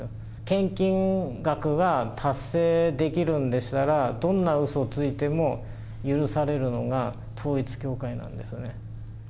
献金額が達成できるんでしたら、どんなうそをついても許されるのが統一教会なんですよね。